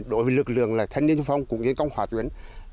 đối với lực lượng thanh niên sung phong cũng như công khỏa tuyến